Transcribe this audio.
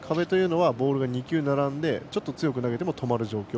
ボールが２球並んでちょっと強く投げても止まる状況。